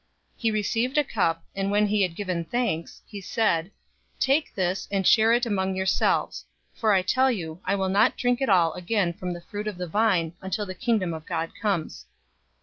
022:017 He received a cup, and when he had given thanks, he said, "Take this, and share it among yourselves, 022:018 for I tell you, I will not drink at all again from the fruit of the vine, until the Kingdom of God comes."